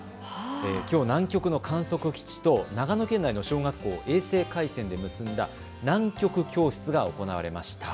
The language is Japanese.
きょう、南極の観測基地と長野県内の小学校を衛星回線で結んだ南極教室が行われました。